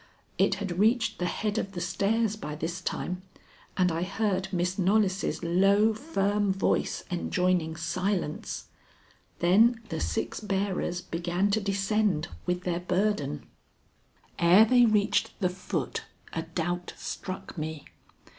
It had reached the head of the stairs by this time, and I heard Miss Knollys' low, firm voice enjoining silence. Then the six bearers began to descend with their burden. Ere they reached the foot, a doubt struck me.